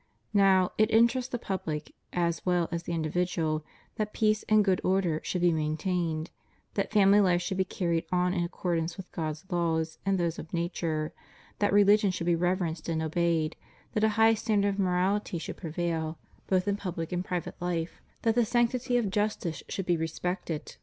Now, it interests the public, as well as the individual, that peace and good order should be maintained; that family life should be carried on in accordance with God's laws and those of nature; that religion should be reverenced and obeyed; that a high standard of morality should prevail, both in public and private life ; that the sanctity of justice should be respected, CONDITION OF THE WORKING CLASSES.